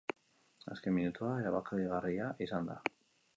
Azken minutua erabakigarria izan da.